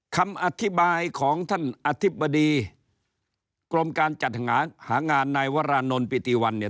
คำอธิบายของท่านอธิบดีกรมการจัดหางานนายวรานนท์ปิติวันเนี่ย